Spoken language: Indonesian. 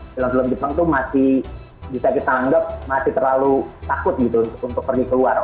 film film jepang itu masih bisa kita anggap masih terlalu takut gitu untuk pergi keluar